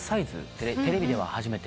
テレビではって。